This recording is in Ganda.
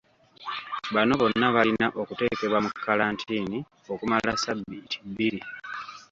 Bano bonna balina okuteekebwa mu kalantiini okumala sabbiiti bbiri.